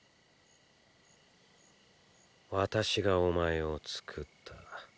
私がお前を作った。